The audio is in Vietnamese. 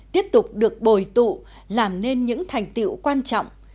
tiếp tục được bồi tụ làm nên những thành tiệu quan trọng